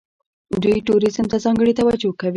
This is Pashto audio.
دوی ټوریزم ته ځانګړې توجه کوي.